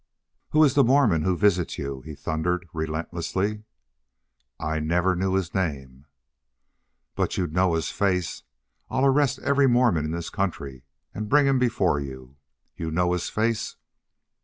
"Who is the Mormon who visits you?" he thundered, relentlessly. "I never knew his name. "But you'd know his face. I'll arrest every Mormon in this country and bring him before you. You'd know his face?"